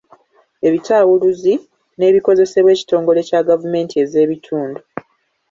Ebitawuluzi, n’ebikozesebwa ekitongole kya gavumenti ez’ebitundu.